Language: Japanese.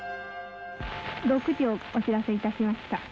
「６時をお知らせいたしました。